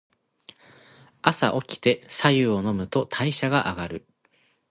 朝おきて白湯を飲むと代謝が上がる。